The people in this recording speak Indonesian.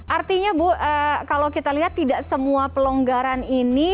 artinya bu kalau kita lihat tidak semua pelonggaran ini